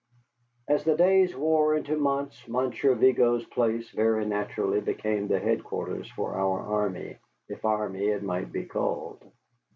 As the days wore into months, Monsieur Vigo's place very naturally became the headquarters for our army, if army it might be called.